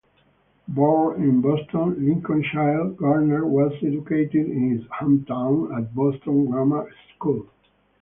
Born in Boston, Lincolnshire, Garner was educated in his hometown at Boston Grammar School.